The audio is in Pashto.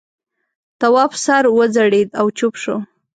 تواب سر وځړېد او چوپ شو.